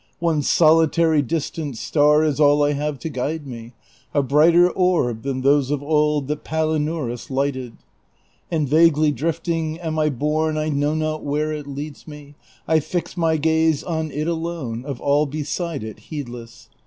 One solitary distant star Is all I have to guide me, A brighter orb than those of old That Palinurus lighted. And vaguely drifting am I borne, I know not where it leads me ; I fix my gaze on it alone, Of all beside it heedless.